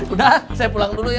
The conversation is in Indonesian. udah saya pulang dulu ya